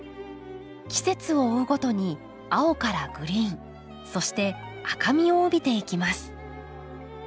季節を追うごとに青からグリーンそして赤みを帯びていきます。